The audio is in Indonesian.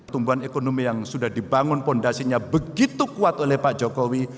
tumbuhan ekonomi yang sudah dibangun fondasinya begitu kuat oleh pak jokowi